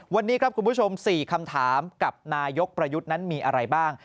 วันนี้ครับคุณผู้ชม๔คำถามกับนายกประยุทธ์นั้นมีอะไรบ้าง